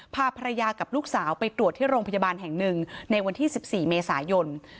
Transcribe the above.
พาภรรยากับลูกสาวไปตรวจที่โรงพยาบาลแห่งหนึ่งในวันที่๑๔เมษายน